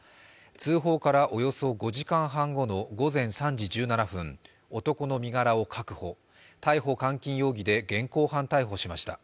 通報からおよそ５時間半後の午前３時１７分、男の身柄を確保、逮捕監禁容疑で現行犯逮捕しました。